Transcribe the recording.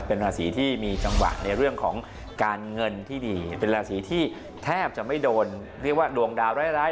เป็นราศีที่มีจังหวะในเรื่องของการเงินที่ดีเป็นราศีที่แทบจะไม่โดนเรียกว่าดวงดาวร้าย